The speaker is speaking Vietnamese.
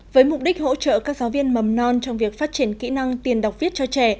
với mục đích hỗ trợ các giáo viên mầm non trong việc phát triển kỹ năng tiền đọc viết cho trẻ